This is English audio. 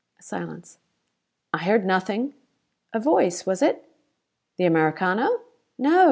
A silence. "I heard nothing." "A voice, was it?" "The Americano?" "No!